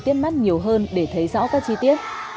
tiếp mắt nhiều hơn để thấy rõ các chi tiết